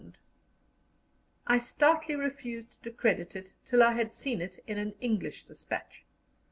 I stoutly refused to credit it till I had seen it in an English despatch.